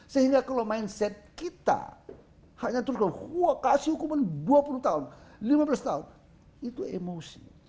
sehingga kalau mindset kita hanya tuduh kasih hukuman dua puluh tahun lima belas tahun itu emosi